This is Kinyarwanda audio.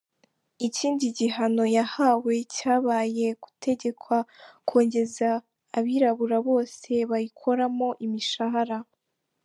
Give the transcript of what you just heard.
Ikindi gihano yahawe cyabaye gutegekwa kongeza abirabura bose bayikoramo imishahara.